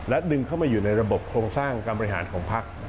ดึงเข้ามาอยู่ในระบบโครงสร้างการบริหารของพัก